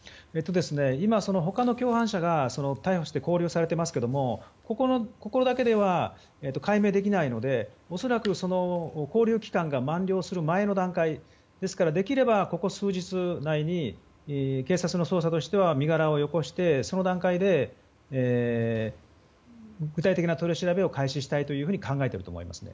今、他の共犯者が逮捕して勾留されていますがここだけでは解明できないので恐らく、勾留期間が満了する前の段階ですからできればここ数日以内に警察の捜査としては身柄をよこしてその段階で、具体的な取り調べを開始したいと考えていると思います。